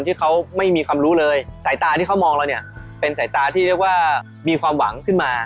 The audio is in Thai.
ที่เขาไม่มีความรู้เลยสายตาที่เขามองเราเนี่ยเป็นสายตาที่เรียกว่ามีความหวังขึ้นมา